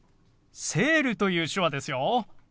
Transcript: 「セール」という手話ですよ。